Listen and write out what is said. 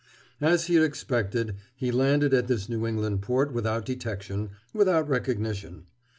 As he had expected, he landed at this New England port without detection, without recognition.